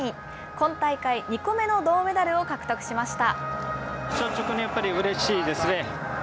今大会２個目の銅メダルを獲得しました。